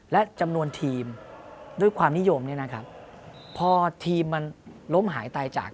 และจำนวนทีมด้วยความนิยมพอทีมมันล้มหายตายจาก